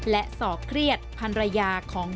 และสอบเครียดพันรยาของ